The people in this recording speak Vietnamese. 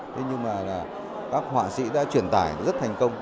thế nhưng mà các họa sĩ đã truyền tải rất thành công